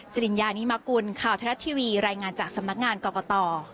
จริญญานิมกุลข่าวไทยรัฐทีวีรายงานจากสำนักงานกรกต